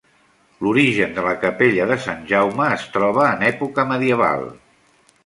L'origen de la capella de Sant Jaume es troba en època medieval.